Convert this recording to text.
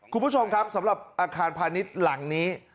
คุณผู้ชมครับสำหรับอาคารพาณิชย์หลังนี้